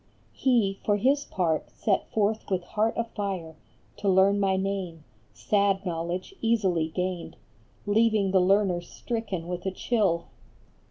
He, for his part, set forth with heart afire To learn my name, sad knowledge, easy gained, Leaving the learner stricken with a chill